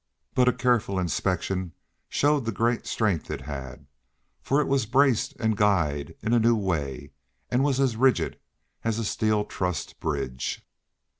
But a careful inspection showed the great strength it had, for it was braced and guyed in a new way, and was as rigid as a steel trussed bridge.